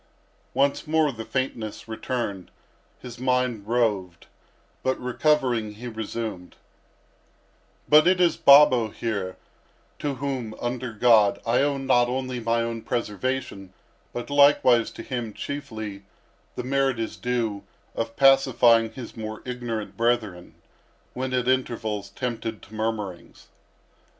Once more the faintness returned—his mind roved—but, recovering, he resumed: "But it is Babo here to whom, under God, I owe not only my own preservation, but likewise to him, chiefly, the merit is due, of pacifying his more ignorant brethren, when at intervals tempted to murmurings."